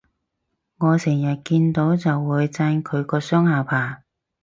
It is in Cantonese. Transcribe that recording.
我成日見到就會讚佢個雙下巴